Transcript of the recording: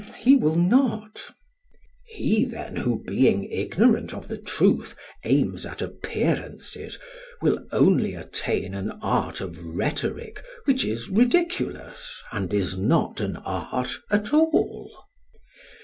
PHAEDRUS: He will not. SOCRATES: He then, who being ignorant of the truth aims at appearances, will only attain an art of rhetoric which is ridiculous and is not an art at all?